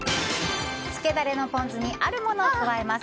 つけダレのポン酢にあるものを加えます。